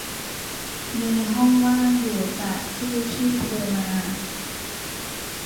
มีห้องว่างอยู่จากที่ที่เธอมา